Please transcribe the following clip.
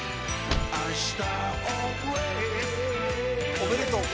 おめでとう。